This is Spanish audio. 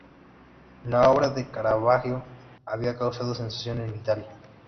La obra de Caravaggio había causado sensación en Italia.